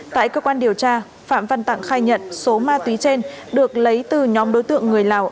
tại cơ quan điều tra phạm văn tặng khai nhận số ma túy trên được lấy từ nhóm đối tượng người lào